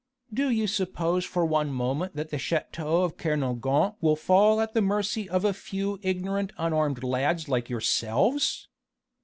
Do you suppose for one moment that the château of Kernogan will fall at the mercy of a few ignorant unarmed lads like yourselves?